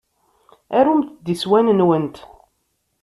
Arumt-d iswan-nwent.